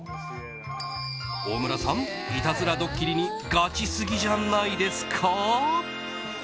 大村さん、いたずらドッキリにガチすぎじゃないですか？